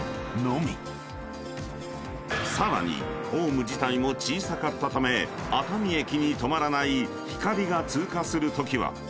［さらにホーム自体も小さかったため熱海駅に止まらないひかりが通過するときは］